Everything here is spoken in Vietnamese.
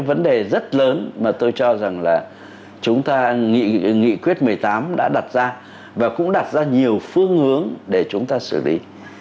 vấn đề rất lớn mà tôi cho rằng là chúng ta nghị quyết một mươi tám đã đặt ra và cũng đặt ra nhiều phương hướng để chúng ta xử lý